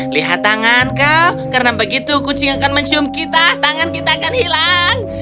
lihat tangan kau karena begitu kucing akan mencium kita tangan kita akan hilang